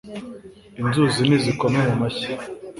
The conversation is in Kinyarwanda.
Inzuzi nizikome mu mashyi